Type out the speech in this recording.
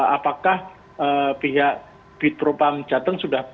apakah pihak bid propam jatuh